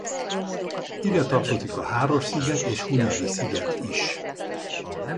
Ide tartozik a Háros-sziget és Hunyadi-sziget is.